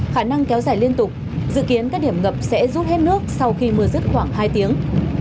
khả năng kéo dài liên tục dự kiến các điểm ngập sẽ rút hết nước sau khi mưa rứt khoảng hai tiếng